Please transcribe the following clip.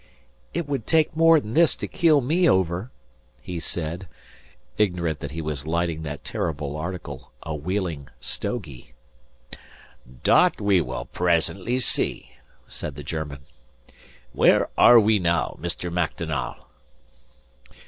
"It would take more 'n this to keel me over," he said, ignorant that he was lighting that terrible article, a Wheeling "stogie". "Dot we shall bresently see," said the German. "Where are we now, Mr. Mactonal'?"